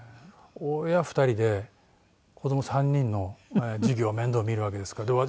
親２人で子ども３人の授業面倒を見るわけですから。